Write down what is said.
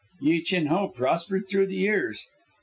Yi Chin Ho prospered through the years.